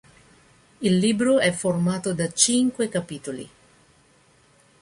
Il libro è formato da cinque capitoli.